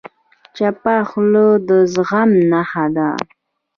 چپه خوله، د زغم نښه ده.